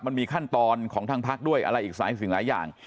มันมีขั้นตอนของทางพักด้วยอะไรอีกหลายสิ่งหลายอย่าง